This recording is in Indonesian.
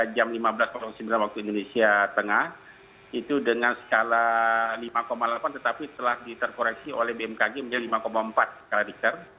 jam lima belas sembilan waktu indonesia tengah itu dengan skala lima delapan tetapi telah diterkoreksi oleh bmkg menjadi lima empat skala richter